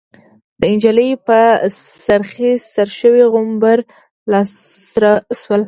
د نجلۍ په سرخۍ سره شوي غومبري لاسره شول.